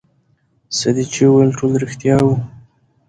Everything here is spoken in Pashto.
څه دې چې وويل ټول رښتيا وو.